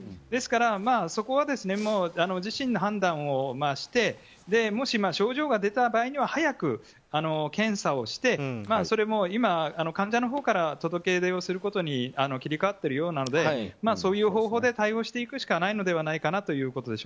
ですから、そこは自身で判断をしてもし、症状が出た場合には早く検査をしてそれも今、患者のほうから届け出をすることに切り替わってるようなのでそういう方法で対応していくしかないのではないかなと。